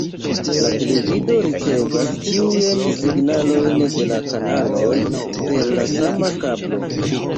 La televido ricevas ĉiujn signalojn de la kanaloj per la sama kablo.